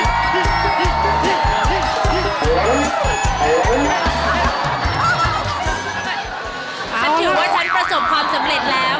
ถือว่าฉันประสบความสำเร็จแล้ว